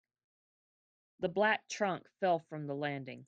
The black trunk fell from the landing.